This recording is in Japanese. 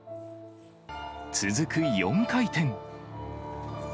続く４回転。